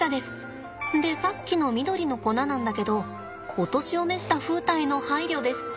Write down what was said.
でさっきの緑の粉なんだけどお年を召した風太への配慮です。